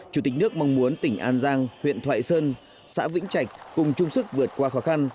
chủ tịch nước mong muốn tỉnh an giang huyện thoại sơn xã vĩnh trạch cùng chung sức vượt qua khó khăn